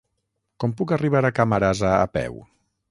Com puc arribar a Camarasa a peu?